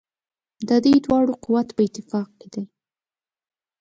د دوی دواړو قوت په اتفاق کې دی.